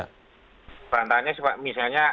nah bantahannya sifat misalnya